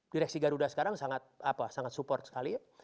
direksi garuda sekarang sangat support sekali ya